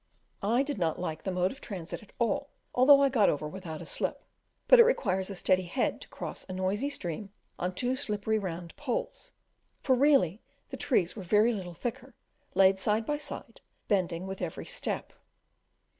I did not like the mode of transit at all, though I got over without a slip, but it requires a steady head to cross a noisy stream on two slippery round poles for really the trees were little thicker laid side by side, bending with every step.